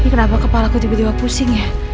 ini kenapa kepala gue tiba tiba pusing ya